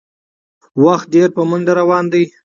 وخت ډېر په منډه روان دی